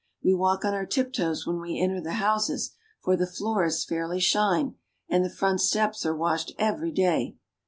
We walk on our tiptoes when we enter the houses, for the floors fairly shine, and the front steps are washed every day.